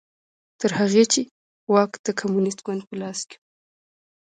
تر هغې چې واک د کمونېست ګوند په لاس کې و